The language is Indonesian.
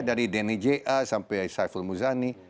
dari denny ja sampai saiful muzani